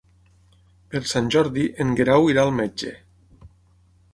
Per Sant Jordi en Guerau irà al metge.